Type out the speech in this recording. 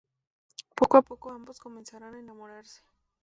Poco a poco ambos comenzarán a enamorarse.